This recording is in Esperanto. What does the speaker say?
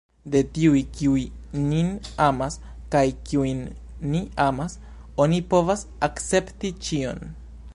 De tiuj, kiuj nin amas kaj kiujn ni amas, oni povas akcepti ĉion.